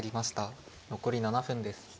残り７分です。